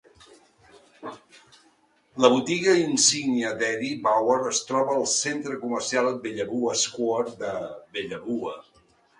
La botiga insígnia d'Eddie Bauer es troba al centre comercial Bellevue Square de Bellevue.